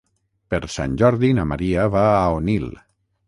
Per Sant Jordi na Maria va a Onil.